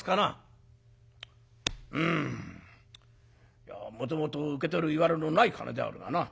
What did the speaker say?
いやもともと受け取るいわれのない金であるがな